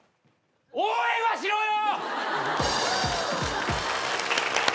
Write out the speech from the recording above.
応援はしろよ！